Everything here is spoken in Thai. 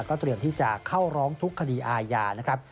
เตรียมที่จะเข้าร้องทุกคดีอาญานะครับ